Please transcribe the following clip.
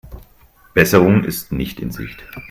Besserung ist nicht in Sicht.